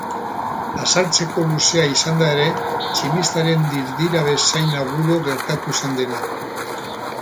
Azaltzeko luzea izanda ere, tximistaren dirdira bezain agudo gertatu zen dena.